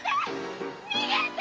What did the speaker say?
逃げて！